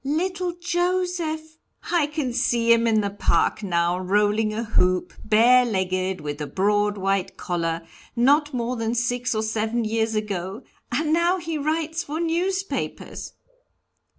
"Little Joseph, I can see him in the park now, rolling a hoop, bare legged, with a broad white collar, not more than six or seven years ago and now he writes for newspapers!"